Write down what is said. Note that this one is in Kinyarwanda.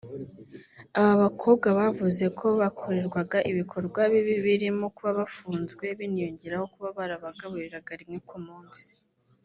aba bakobwa bavuze ko bakorerwaga ibikorwa bibi birimo kuba bafunzwe biniyongeraho kuba baragaburirwaga rimwe ku munsi